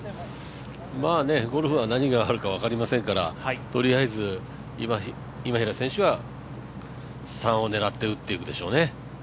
ゴルフは何があるか分かりませんからとりあえず今平選手は３を狙って打っていくでしょうね。